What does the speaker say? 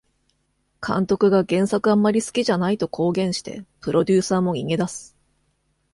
監督が原作あんまり好きじゃないと公言してプロデューサーも逃げ出す